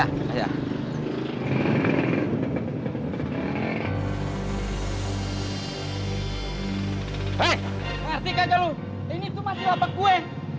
hei ngerti kakak lo ini tuh masih apa gue